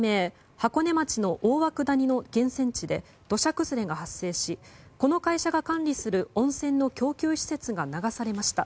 箱根町の大涌谷の源泉地で土砂崩れが発生しこの会社が管理する温泉の供給施設が流されました。